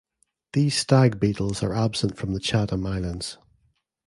These stag beetles are absent from the Chatham Islands.